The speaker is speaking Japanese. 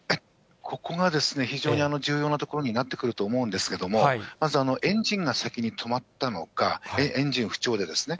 ここが非常に重要なところになってくると思うんですけども、まずエンジンが先に止まったのか、エンジン不調でですね。